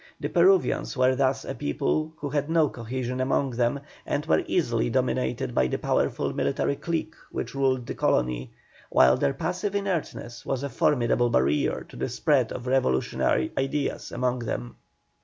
The Peruvians were thus a people who had no cohesion among them, and were easily dominated by the powerful military clique which ruled the colony, while their passive inertness was a formidable barrier to the spread of revolutionary ideas among them.